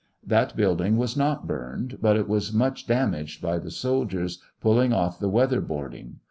That building was not burned, but it was much dam aged by the soldiers pulling off the weather boarding.